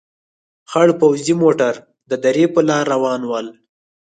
خړ پوځي موټر د درې په لار روان ول.